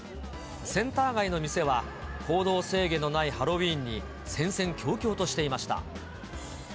センター街の店は、行動制限のないハロウィーンに戦々恐々としていました。